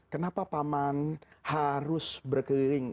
kenapa paman harus berkeliling